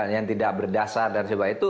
yang tidak berdasar dan sebagainya